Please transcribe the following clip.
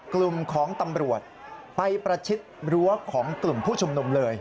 กลุ่มของตำรวจไปประชิดรั้วของกลุ่มผู้ชุมนุมเลย